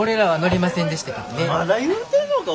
まだ言うてんのかお前は。